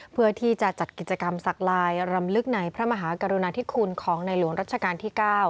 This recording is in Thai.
เพื่อที่จะจัดกิจกรรมสักลายรำลึกในพระมหากรุณาธิคุณของในหลวงรัชกาลที่๙